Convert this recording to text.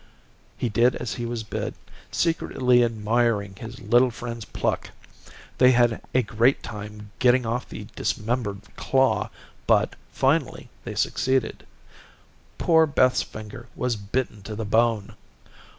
He did as he was bid, secretly admiring his little friend's pluck. They had a great time getting off the dismembered claw, but, finally, they succeeded. Poor Beth's finger was bitten to the bone.